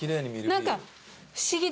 何か不思議。